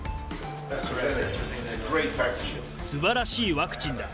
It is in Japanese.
すばらしいワクチンだ。